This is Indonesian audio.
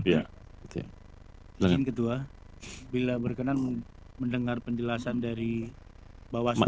pesan kedua bila berkenan mendengar penjelasan dari bawaslu